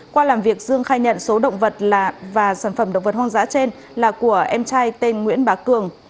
qua làm việc dương khai nhận số động vật và sản phẩm động vật hoang dã trên là của em trai tên nguyễn bá cường